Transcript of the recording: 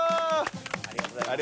ありがとうございます